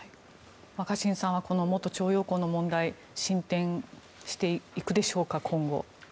若新さんは元徴用工の問題進展していくでしょうか、今後。